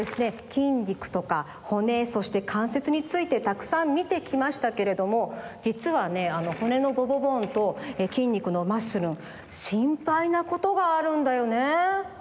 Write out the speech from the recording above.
筋肉とか骨そして関節についてたくさんみてきましたけれどもじつはね骨のボボボーンと筋肉のマッスルンしんぱいなことがあるんだよね？